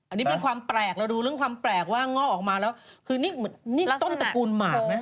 อันนี้เป็นความแปลกเราดูเรื่องความแปลกว่าง่อออกมาแล้วคือนี่ต้นตระกูลหมากนะ